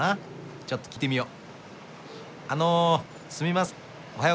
ちょっと聞いてみよう。